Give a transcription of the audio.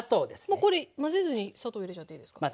もうこれ混ぜずに砂糖入れちゃっていいですか？